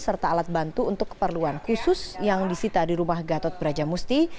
serta alat bantu untuk keperluan khusus yang disita di rumah gatot brajamusti